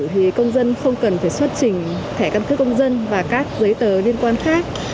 thì công dân không cần phải xuất trình thẻ căn cước công dân và các giấy tờ liên quan khác